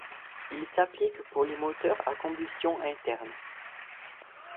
Il s'applique pour les moteurs à combustion interne.